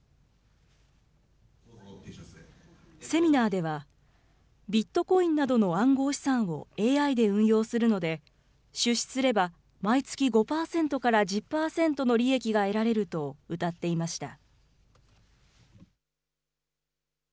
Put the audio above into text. セミナーでは、ビットコインなどの暗号資産をＡＩで運用するので、出資すれば、毎月５％から１０％の利益が得られるとうたっていました。